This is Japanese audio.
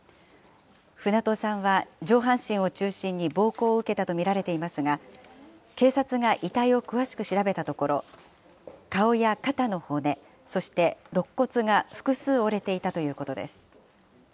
船戸さんは上半身を中心に暴行を受けたと見られていますが、警察が遺体を詳しく調べたところ、顔や肩の骨、そしてろっ骨が複数折れていたということです。